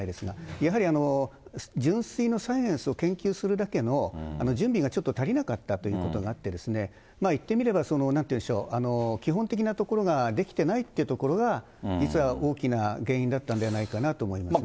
やはり純粋のサイエンスを研究するだけの準備がちょっと足りなかったということがあって、言ってみれば、なんて言うんでしょう、基本的なところができてないってところが、実は大きな原因だったんではないかなと思いますね。